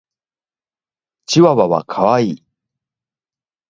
チワワは可愛い。